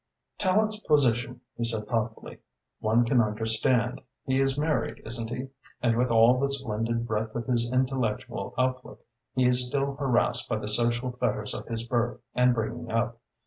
"Tallente's position," he said thoughtfully, "one can understand. He is married, isn't he, and with all the splendid breadth of his intellectual outlook he is still harassed by the social fetters of his birth and bringing up.